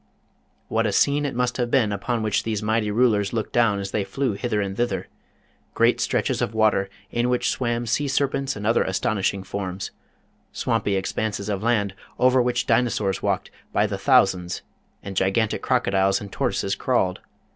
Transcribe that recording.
What a scene it must have been upon which these mighty rulers looked down as they flew hither and thither ! Great stretches of water, in which swam sea serpents and other astonishing forms; swampy expanses of land, over which Dinosaurs walked by the thousands and gigantic crocodiles and tortoises crawled.